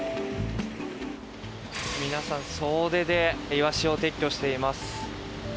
皆さん総出でイワシを撤去しています。